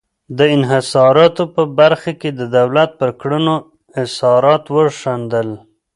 د انحصاراتو په برخه کې د دولت پر کړنو اثرات وښندل.